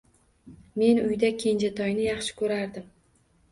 Men uyda kenjatoyni yaxshi ko‘rardim